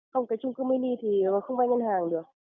không cái chung cư mini thì không vay ngân hàng được